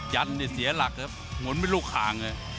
ยันเนี่ยเสียหลักเหมือนไม่รู้ข่างเลย